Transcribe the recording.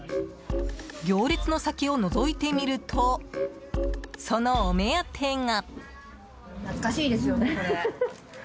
行列の先をのぞいてみるとそのお目当てが。